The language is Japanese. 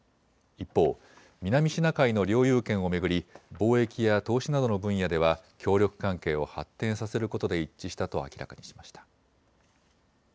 一方、南シナ海の領有権を巡り貿易や投資などの分野では協力関係を発展させることで一致したと明らかにしました。